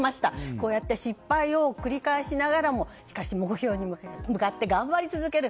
こうやって失敗を繰り返しながらもしかし目標に向かって頑張り続ける。